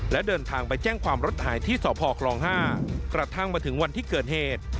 และเดินทางไปแจ้งความรถหายที่สพคลอง๕กระทั่งมาถึงวันที่เกิดเหตุ